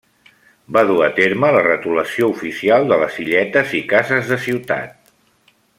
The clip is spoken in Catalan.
Va dur a terme la retolació oficial de les illetes i cases de Ciutat.